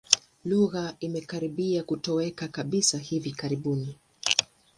Lugha imekaribia kutoweka kabisa hivi karibuni.